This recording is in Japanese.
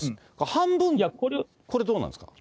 半分、これ、どうなんですか？